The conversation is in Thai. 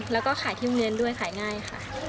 แล้วก็ขายที่มื้อนด้วยขายง่ายค่ะ